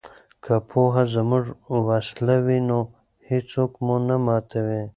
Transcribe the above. که پوهه زموږ وسله وي نو هیڅوک مو نه ماتوي.